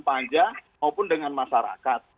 panjang maupun dengan masyarakat